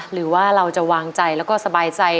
หรือว่าเราจะวางใจแล้วก็สบายใจ